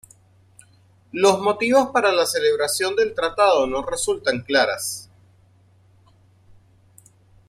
Los motivos para la celebración del tratado no resultan claras.